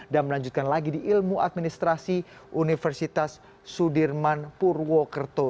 dan melanjutkan lagi di ilmu administrasi universitas sudirman purwokerto